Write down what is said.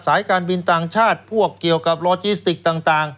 การบินต่างชาติพวกเกี่ยวกับโลจิสติกต่าง